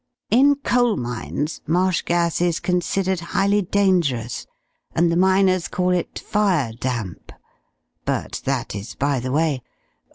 In coal mines marsh gas is considered highly dangerous, and the miners call it fire damp. But that is by the way.